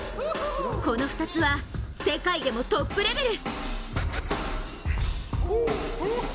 この２つは世界でもトップレベル。